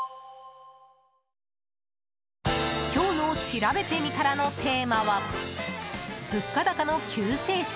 今日のしらべてみたらのテーマは物価高の救世主！